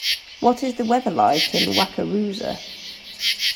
What is the weather like in Wakarusa